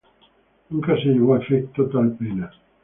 Nunca se llevó a efecto tal pena.